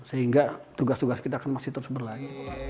sehingga tugas tugas kita akan masih terus berlari